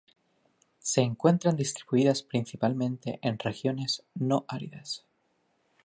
Se encuentran distribuidas principalmente en regiones no-áridas.